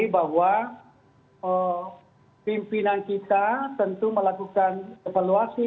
bahwa pimpinan kita tentu melakukan evaluasi